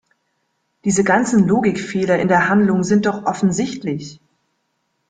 Diese ganzen Logikfehler in der Handlung sind doch offensichtlich!